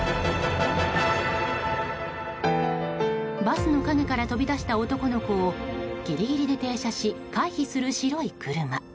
バスの陰から飛び出した男の子をギリギリで停車し、回避する白い車。